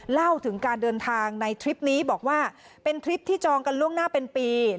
เล่าถึงการเดินทางในทริปนี้บอกว่าเป็นทริปที่จองกันล่วงหน้าเป็นปี